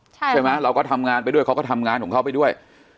ใช่ไหมเราก็ทำงานไปด้วยเขาก็ทำงานของเขาไปด้วย